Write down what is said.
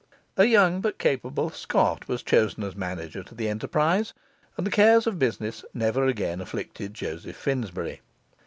A young but capable Scot was chosen as manager to the enterprise, and the cares of business never again afflicted Joseph Finsbury.